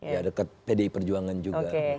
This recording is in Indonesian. ya dekat pdi perjuangan juga